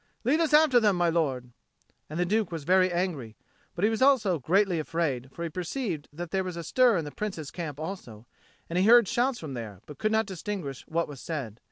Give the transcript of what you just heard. Lead us after them, my lord!" And the Duke was very angry; but he was also greatly afraid, for he perceived that there was a stir in the Prince's camp also, and heard shouts from there, but could not distinguish what was said.